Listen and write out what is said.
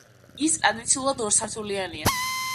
ის ტრადიციულად ორსართულიანია.